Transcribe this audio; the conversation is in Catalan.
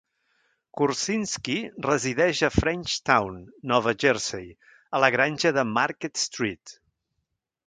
Kursinski resideix a Frenchtown, Nova Jersey, a la granja de Market Street.